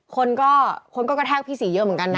คนก็คนก็กระแทกพี่ศรีเยอะเหมือนกันนะ